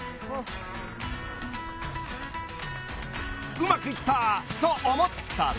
［うまくいったと思ったら］